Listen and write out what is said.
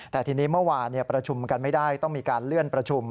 แต่ทีนี้เมื่อวานประชุมกันไม่ได้ต้องมีการเลื่อนประชุม